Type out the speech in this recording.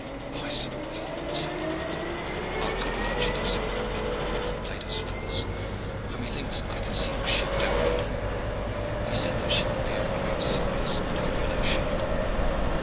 "By St. Paul!" said the knight, "our good merchant of Southampton hath not played us false, for methinks I can see our ship down yonder. He said that she would be of great size and of a yellow shade."